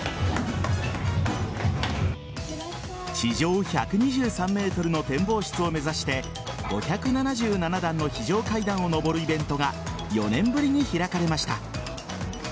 地上１２３ｍの展望室を目指して５７７段の非常階段を上るイベントが４年ぶりに開かれました。